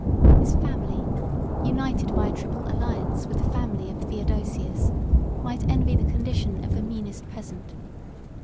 His family, united by a triple alliance with the family of Theodosius, might envy the condition of the meanest peasant.